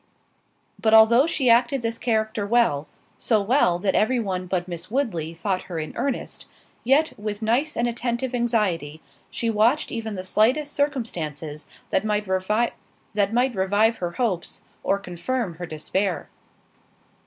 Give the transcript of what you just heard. But although she acted this character well—so well, that every one but Miss Woodley thought her in earnest—yet, with nice and attentive anxiety, she watched even the slightest circumstances that might revive her hopes, or confirm her despair.